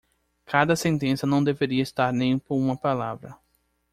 Cada sentença não deveria estar nem por uma palavra.